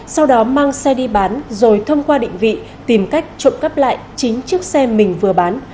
sau đó mang xe đi bán rồi thông qua định vị tìm cách trộm cắp lại chính chiếc xe mình vừa bán